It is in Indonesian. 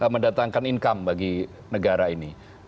mendatangkan income bagi negara ini